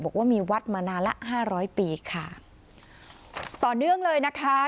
บอกว่ามีวัดมานานละห้าร้อยปีค่ะต่อเนื่องเลยนะคะ